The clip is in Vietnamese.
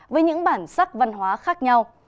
và các văn hóa khác nhau